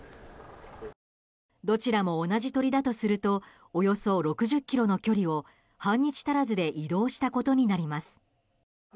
どちらも同じ鳥だとするとおよそ６０ｋｍの距離を半日足らずで移動したことになります。